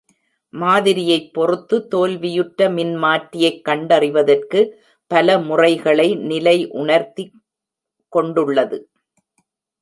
மாதிரியைப் பொறுத்து, தோல்வியுற்ற மின்மாற்றியைக் கண்டறிவதற்கு, பல முறைகளை நிலை உணர்த்தி கொண்டுள்ளது.